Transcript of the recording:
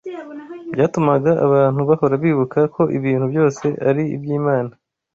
byatumaga abantu bahora bibuka ko ibintu byose ari iby’Imana